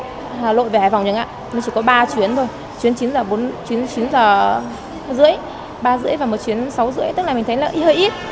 ví dụ như chuyến từ hà nội về hải vòng chẳng hạn nó chỉ có ba chuyến thôi chuyến chín h ba mươi ba h ba mươi và một chuyến sáu h ba mươi tức là mình thấy là hơi ít